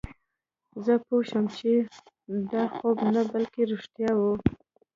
زه پوه شوم چې دا خوب نه بلکې رښتیا وه